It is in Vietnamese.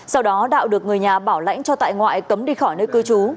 sau đó đạo được người nhà bảo lãnh cho tại ngoại cấm đi khỏi nơi cư trú